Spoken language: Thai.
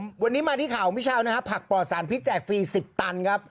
วันนี้มาที่ข่าวมิเช้านะครับผักปลอดสารพิษแจกฟรี๑๐ตันครับ